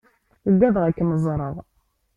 Ugadeɣ ad kem-ẓreɣ.